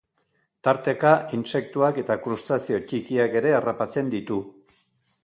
Tarteka intsektuak eta krustazeo txikiak ere harrapatzen ditu.